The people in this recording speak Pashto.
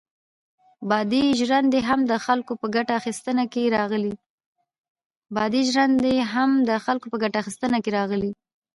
بادي ژرندې هم د خلکو په ګټه اخیستنه کې راغلې.